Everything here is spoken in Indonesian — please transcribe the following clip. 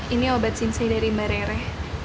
ini obat sinsi dari mbak rere